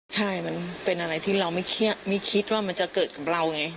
ใช่มันเป็นอะไรที่เราไม่เครียดไม่คิดว่ามันจะเกิดกับเราไง